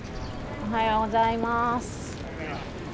おはようございます。